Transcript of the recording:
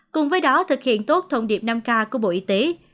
cùng với đó thực hiện tốt thông điệp năm k của bộ y tế